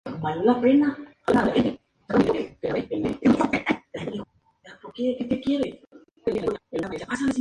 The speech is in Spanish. En el primer programa trató el secuestro de los hijos de Gabriela Arias Uriburu.